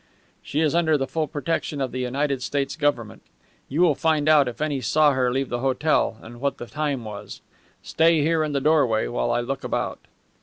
She is under the full protection of the United States Government. You will find out if any saw her leave the hotel, and what the time was. Stay here in the doorway while I look about."